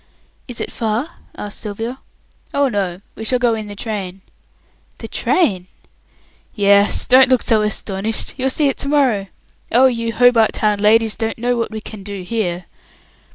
"Is it far?" asked Sylvia. "Oh no! We shall go in the train." "The train!" "Yes don't look so astonished. You'll see it to morrow. Oh, you Hobart Town ladies don't know what we can do here."